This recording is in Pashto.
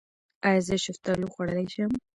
ایا زه شفتالو خوړلی شم؟